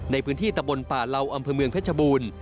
ในพื้นที่ตะบนป่าเหล่าอำเภอเมืองเพชรบูรณ์